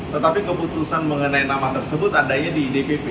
tetapi keputusan mengenai nama tersebut adanya di dpp